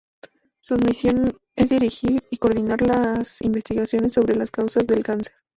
Su misión es dirigir y coordinar las investigaciones sobre las causas del cáncer.